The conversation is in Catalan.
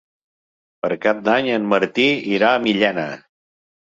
Per Cap d'Any en Martí irà a Millena.